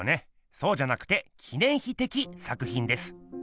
そうじゃなくて記念碑的作品です。